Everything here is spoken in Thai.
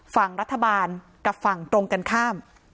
ฝั่งรัฐบาลกับฝั่งตรงกันข้าม